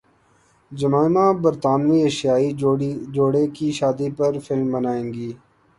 Jemima برطانوی ایشیائی جوڑے کی شادی پر فلم بنائیں گی